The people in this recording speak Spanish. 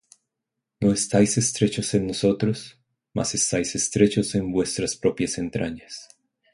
No estáis estrechos en nosotros, mas estáis estrechos en vuestras propias entrañas.